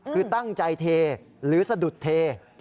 คือตั้งใจเทหรือสะดุดเท